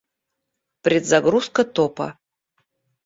Предзагрузка топа